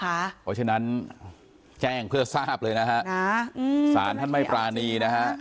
เพราะฉะนั้นแจ้งเพื่อทราบเลยนะฮะสารท่านไม่ปรานีนะฮะ